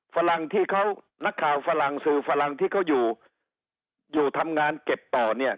ฝรั่งที่เขานักข่าวฝรั่งสื่อฝรั่งที่เขาอยู่อยู่ทำงานเก็บต่อเนี่ย